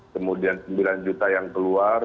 kemudian sembilan juta yang keluar